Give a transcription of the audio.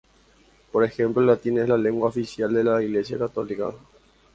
Por ejemplo, el latín es la lengua oficial de la iglesia católica.